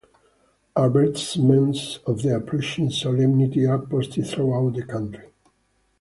Advertisements of the approaching solemnity are posted throughout the country.